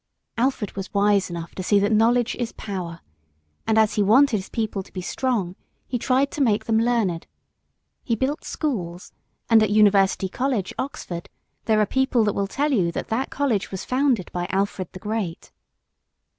Alfred was wise enough to see that knowledge is power, and, as he wanted his people to be strong, he tried to make them learned. He built schools, and at University College, Oxford, there are people that will tell you that that college was founded by Alfred the Great.